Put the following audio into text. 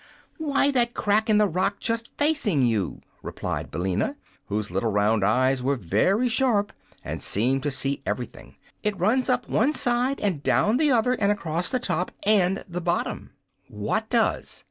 "Why, that crack in the rock, just facing you," replied Billina, whose little round eyes were very sharp and seemed to see everything. "It runs up one side and down the other, and across the top and the bottom." "What does?"